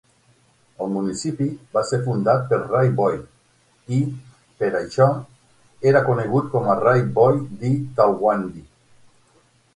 El municipi va ser fundat per Rai Bhoi i, per això, era conegut com a Rai-Bhoi-Di-Talwandi.